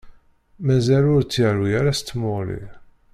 Mazal ur tt-yeṛwi ara s tmuɣli